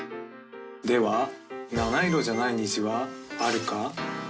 では七色じゃない虹はあるかないか？